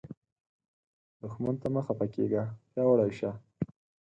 دښمن ته مه خفه کیږه، پیاوړی شه